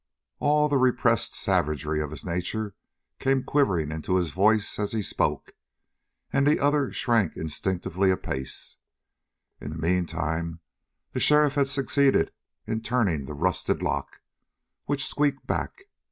All the repressed savagery of his nature came quivering into his voice as he spoke, and the other shrank instinctively a pace. In the meantime the sheriff had succeeded in turning the rusted lock, which squeaked back.